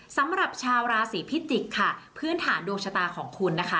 สำหรับชาวราศีพิจิกษ์ค่ะพื้นฐานดวงชะตาของคุณนะคะ